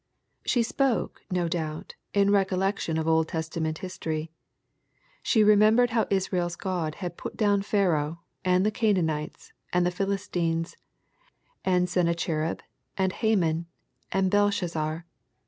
She spoke, no doubt, in recollection of Old Testament history. She remembered how Israel's God had put down Pharaoh, and the Canaanites, and the Philistines, and Sennacherib, and Haman, and Belshazzar.